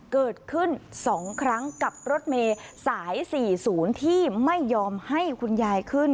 เกิดขึ้น๒ครั้งกับรถเมย์สาย๔๐ที่ไม่ยอมให้คุณยายขึ้น